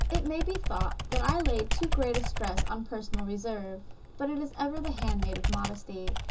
It may be thought that I lay too great a stress on personal reserve; but it is ever the hand maid of modesty.